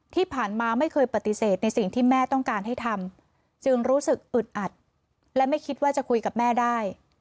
ที่ผ่านมาไม่เคยปฏิเสธในสิ่งที่แม่ต้องการให้ทำจึงรู้สึกอึดอัดและไม่คิดว่าจะคุยกับแม่ได้